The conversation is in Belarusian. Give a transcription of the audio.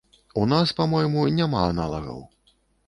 У нас, па-мойму, няма аналагаў.